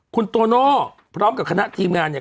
คุณโตโน่พร้อมกับคณะทีมงานเนี่ย